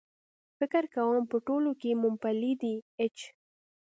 فکر کوم په ټولو کې مومپلي دي.H